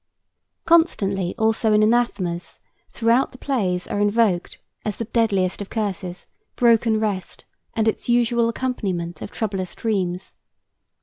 Constantly also in anathemas throughout the plays are invoked, as the deadliest of curses, broken rest and its usual accompaniment of troublous dreams.